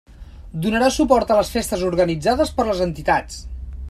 Donarà suport a les festes organitzades per les entitats.